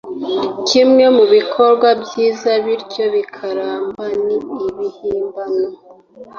kimwe mubikorwa byiza, bityo bikaramba, ni ibihimbano.